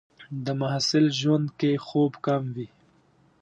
د محصل ژوند کې خوب کم وي.